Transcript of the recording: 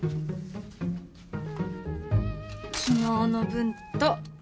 昨日の分と。